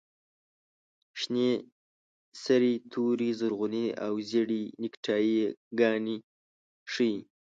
شنې، سرې، تورې، زرغونې او زېړې نیکټایي ګانې ښیي.